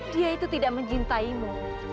dia itu tidak mencintaimu